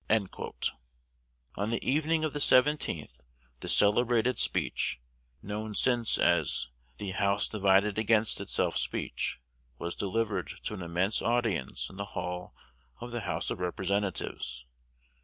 On the evening of the 17th this celebrated speech known since as "The House divided against itself Speech" was delivered to an immense audience in the hall of the House of Representatives.